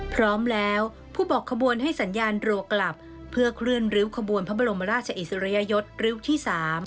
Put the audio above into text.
พร้อมแล้วผู้บอกขบวนให้สัญญาณรัวกลับเพื่อเคลื่อนริ้วขบวนพระบรมราชอิสริยยศริ้วที่๓